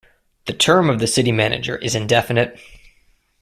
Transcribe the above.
The term of the city manager is indefinite.